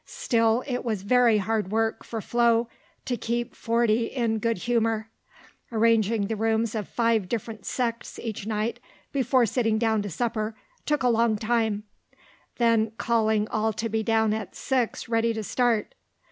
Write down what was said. Still it was very hard work for Flo to keep 40 in good humour; arranging the rooms of 5 different sects each night, before sitting down to supper, took a long time; then calling all to be down at 6 ready to start.